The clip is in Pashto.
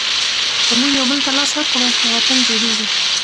که موږ یوبل ته لاس ورکړو نو وطن جوړېږي.